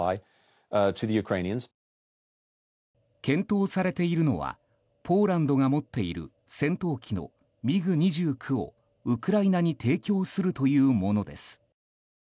検討されているのはポーランドが持っている戦闘機のＭｉＧ２９をウクライナに提供するというものです。